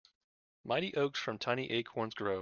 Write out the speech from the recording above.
Mighty oaks from tiny acorns grow.